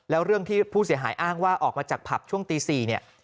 แล้วเรื่องที่ผู้เสียหายอ้างว่าออกมาจากผับช่วงตี๔เนี่ย